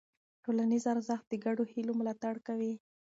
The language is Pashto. ټولنیز ارزښت د ګډو هيلو ملاتړ کوي.